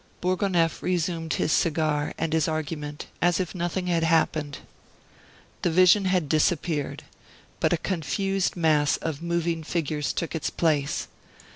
Bourgonef resumed his cigar and his argument as if nothing had happened. The vision had disappeared, but a confused mass of moving figures took its place.